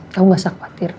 kamu gak usah khawatir